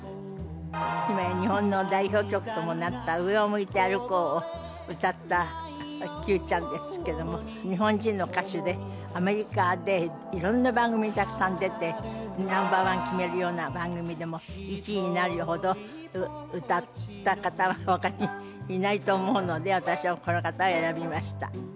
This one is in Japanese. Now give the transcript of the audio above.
今や日本の代表曲ともなった『上を向いて歩こう』を歌った九ちゃんですけども日本人の歌手でアメリカで色んな番組にたくさん出てナンバー１決めるような番組でも１位になるほど歌った方は他にいないと思うので私はこの方を選びました。